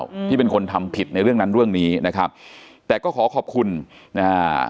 อืมที่เป็นคนทำผิดในเรื่องนั้นเรื่องนี้นะครับแต่ก็ขอขอบคุณนะฮะ